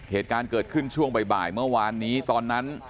เหตุการณ์เกิดขึ้นช่วงบ่ายเมื่อวานนี้ตอนนั้น